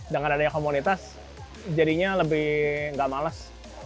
dengan adanya komunitas jadinya lebih nggak males